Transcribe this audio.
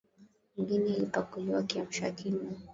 Mgeni alipakuliwa kiamshakinywa.